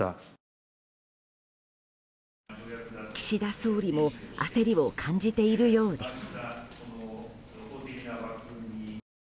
岸田総理も焦りを感じているようです。